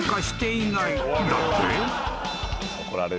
［だって］